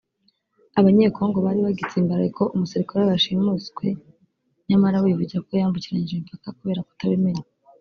Abanyecongo bari bagitsimbaraye ko umusirikare wabo yashimutswe nyamara we yivugira ko yambukiranyije imipaka kubera kutabimenya